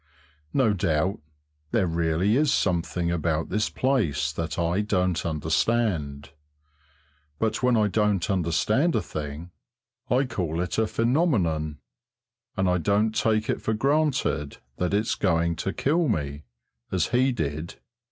No doubt there really is something about this place that I don't understand; but when I don't understand a thing, I call it a phenomenon, and I don't take it for granted that it's going to kill me, as he did.